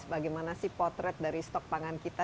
bagaimana sih potret dari stok pangan kita